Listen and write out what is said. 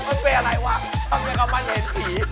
มันเป็นอะไรวะทำไมกำลังเห็นผี